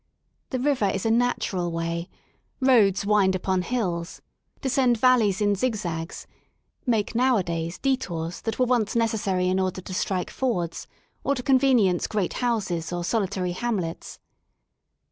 The River is a natural way; roads wind upon hills, descend valleys in zig zags, make nowadays detours that were once necessary in order to strike fords or to convenience great houses or solitary hamlets.